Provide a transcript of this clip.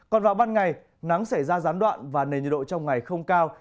còn vào ban ngày nắng xảy ra gián đoạn và nền nhiệt độ trong ngày không cao